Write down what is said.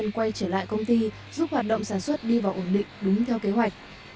quay trở lại công ty giúp hoạt động sản xuất đi vào ổn định đúng theo kế hoạch